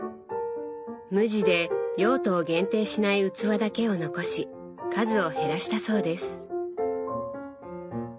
無地で用途を限定しない器だけを残し数を減らしたそうです。